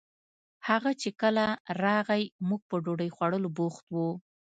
هغه چې کله راغئ موږ په ډوډۍ خوړولو بوخت وو